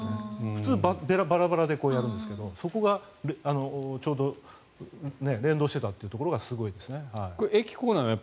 普通、バラバラでやるんですけどそこがちょうど連動していたというところが駅構内はＪＲが？